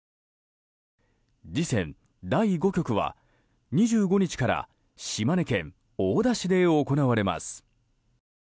次戦、第５局は２５日から島根県大田市で行われます。